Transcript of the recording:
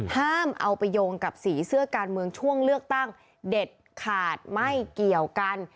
ห้ามเอาไปโยงกับสีเสื้อการเมืองช่วงเลือกตั้งเด็ดขาดไม่เกี่ยวกัน